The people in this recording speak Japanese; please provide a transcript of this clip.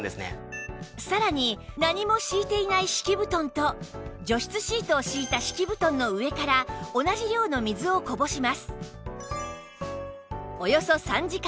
さらに何も敷いていない敷布団と除湿シートを敷いた敷布団の上から同じ量の水をこぼします